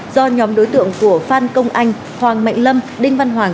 do nhóm đối tượng của phan công anh hoàng mạnh lâm đinh văn hoàng